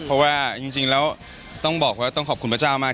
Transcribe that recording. เพราะว่าจริงแล้วต้องบอกว่าต้องขอบคุณพระเจ้ามาก